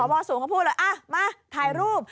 พบศูนย์เขาพูดเลยอะมาถ่ายรูป